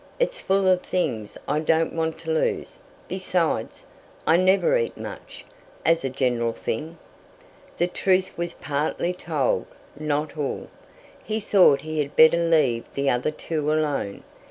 It's full of things I don't want to lose. Besides, I never eat much, as a general thing." The truth was partly told, not all. He thought he had better leave the other two alone.